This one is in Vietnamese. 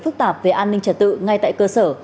phức tạp về an ninh trật tự ngay tại cơ sở